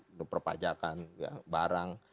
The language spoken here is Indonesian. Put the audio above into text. untuk perpajakan barang